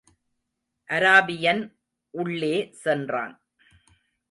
Arabian உள்ளே சென்றான்.